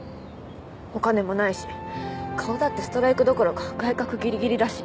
お金もないし顔だってストライクどころか外角ぎりぎりだし